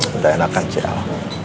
gak enakan sih